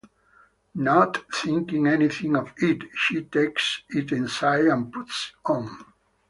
Not thinking anything of it, she takes it inside and puts it on.